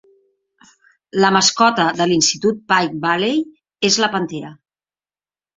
La mascota de l'Institut Pike Valley és la pantera.